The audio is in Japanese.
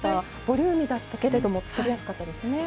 ボリューミーだったけれども作りやすかったですね。